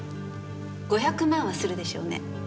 ５００万はするでしょうね。